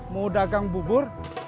mau dagang bubur